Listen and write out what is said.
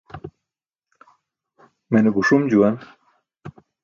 Mene guṣum juwan.